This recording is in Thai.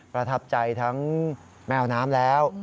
ประทับใจทั้งแมวน้ำแล้ว